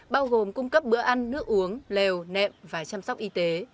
bao gồm cung cấp bữa ăn nước uống lèo nệm và chăm sóc y tế